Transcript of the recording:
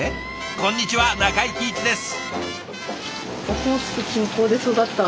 こんにちは中井貴一です。